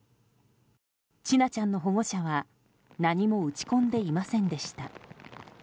千奈ちゃんの保護者は何も打ち込んでいませんでした。